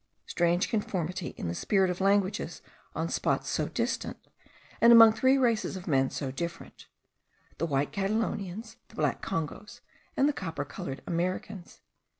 Strange conformity in the structure of languages on spots so distant, and among three races of men so different, the white Catalonians, the black Congos, and the copper coloured Americans!)